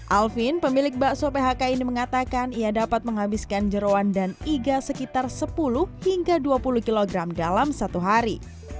alvin pemilik bakso phk ini mengatakan ia dapat menghabiskan jerawan dan iga sekitar sepuluh hingga dua puluh kg dalam satu hari